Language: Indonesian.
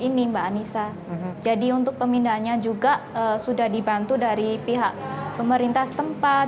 ini mbak anissa jadi untuk pemindahannya juga sudah dibantu dari pihak pemerintah setempat